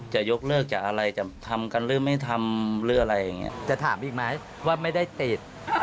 จะถามอีกไหมว่าไม่ได้ติด